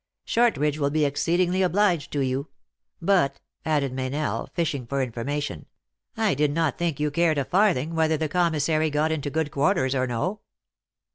" Shortridge will be exceedingly obliged to you. But," added Meynell, fishing for information, " I did not think you cared a farthing whether the commis sary got into good quarters or no."